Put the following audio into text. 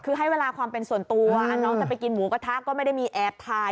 คือให้เวลาความเป็นส่วนตัวน้องจะไปกินหมูกระทะก็ไม่ได้มีแอบถ่าย